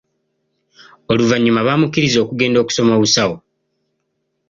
Oluvanyuma baamukiriza okugenda okusoma obusawo.